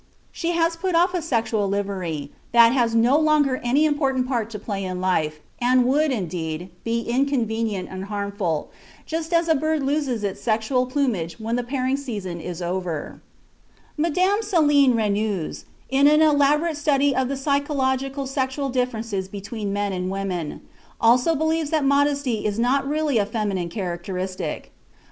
She has put off a sexual livery that has no longer any important part to play in life, and would, indeed, be inconvenient and harmful, just as a bird loses its sexual plumage when the pairing season is over. Madame Céline Renooz, in an elaborate study of the psychological sexual differences between men and women (Psychologie Comparée de l'Homme et de la Femme, 1898, pp. 85 87), also believes that modesty is not really a feminine characteristic.